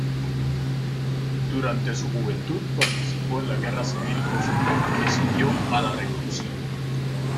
Durante su juventud participó en la Guerra Civil Rusa que siguió a la revolución.